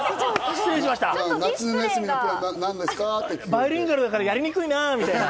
バイリンガルだからやりにくいなぁみたいな。